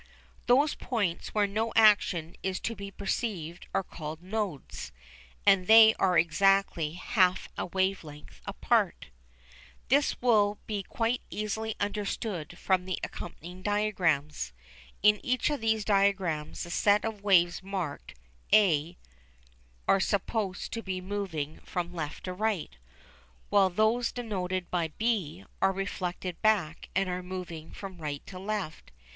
Those points where no action is to be perceived are called "nodes," and they are exactly half a wave length apart. This will be quite easily understood from the accompanying diagrams. In each of these diagrams the set of waves marked a are supposed to be moving from left to right, while those denoted by b are reflected back and are moving from right to left.